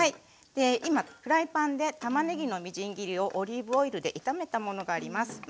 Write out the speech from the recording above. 今フライパンでたまねぎのみじん切りをオリーブオイルで炒めたものがあります。